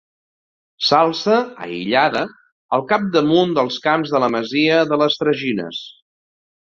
S'alça, aïllada, al cap d'amunt dels camps de la masia de les Tragines.